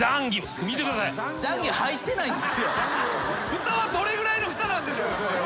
ふたはどれぐらいのふたなんでしょう？